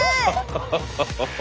ハハハハ！